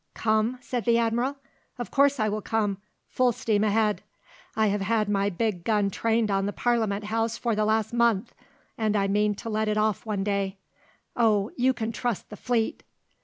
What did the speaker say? "Come?" said the Admiral. "Of course I will come, full steam ahead. I have had my big gun trained on the Parliament House for the last month, and I mean to let it off one day. Oh, you can trust the fleet."